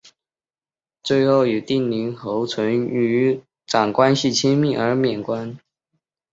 最后与定陵侯淳于长关系亲密而免官。